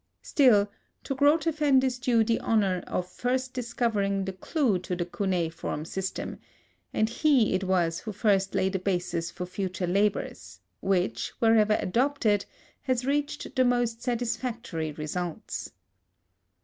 Still, to Grotefend is due the honor of first discovering the clew to the cuneiform system, and he it was who first laid a basis for future labors, which, wherever adopted, has reached the most satisfactory results.